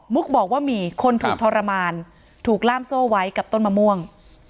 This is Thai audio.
บอกว่ามีคนถูกทรมานถูกล่ามโซ่ไว้กับต้นมะม่วง